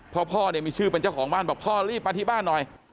พ่อพ่อเนี่ยมีชื่อเป็นเจ้าของบ้านบอกพ่อรีบมาที่บ้านหน่อย